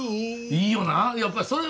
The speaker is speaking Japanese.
いいよな！